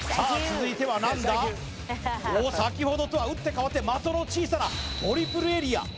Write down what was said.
続いては何だおお先ほどとは打って変わって的の小さなトリプルエリア